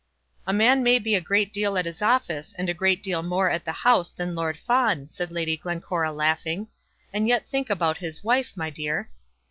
"A man may be a great deal at his office, and a great deal more at the House than Lord Fawn," said Lady Glencora laughing, "and yet think about his wife, my dear."